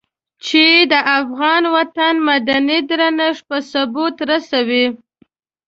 چې د افغان وطن مدني درنښت په ثبوت رسوي.